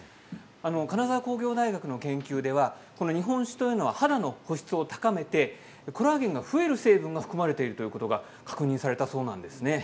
金沢工業大学の研究では日本酒というのは肌の保湿を高めてコラーゲンが増える成分が含まれていることが確認されたそうです。